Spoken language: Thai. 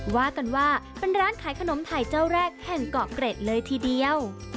ว่ากันว่าเป็นร้านขายขนมไทยเจ้าแรกแห่งเกาะเกร็ดเลยทีเดียว